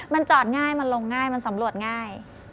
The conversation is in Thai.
มันจอดง่ายมันลงง่ายมันสำรวจง่าย